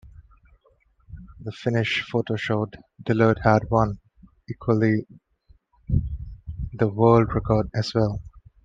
The finish photo showed Dillard had won, equalling the World record as well.